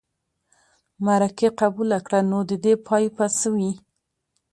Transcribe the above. مرکې قبوله کړه نو د دې پای به څه وي.